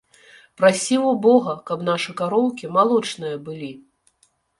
Прасі во бога, каб нашы кароўкі малочныя былі.